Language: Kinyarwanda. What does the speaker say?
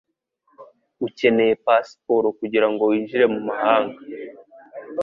Ukeneye pasiporo kugirango winjire mumahanga.